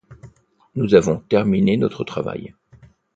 Nous avons terminé notre travail.